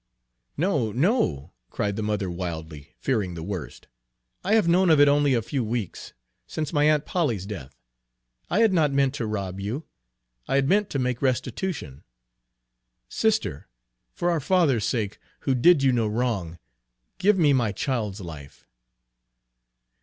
"No, no!" cried the other wildly, fearing the worst. "I have known of it only a few weeks, since my Aunt Polly's death. I had not meant to rob you, I had meant to make restitution. Sister! for our father's sake, who did you no wrong, give me my child's life!"